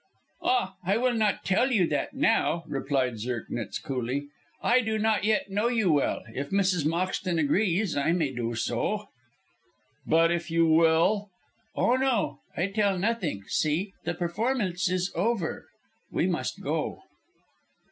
"Ah, I will not tell you that now," replied Zirknitz, coolly. "I do not yet know you well. If Mrs. Moxton agrees I may do so." "But if you will " "Oh, no, I tell nothing. See, the performance is over. We must go."